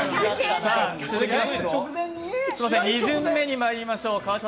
続きまして２巡目にまいりましょう。